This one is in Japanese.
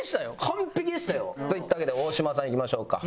完璧でしたよ。といったわけで大島さんいきましょうか。